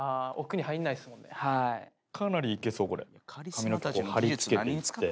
髪の毛張り付けていって。